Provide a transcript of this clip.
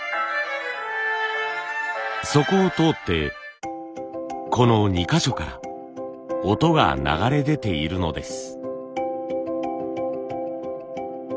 そこを通ってこの２か所から音が流れ出ているのです。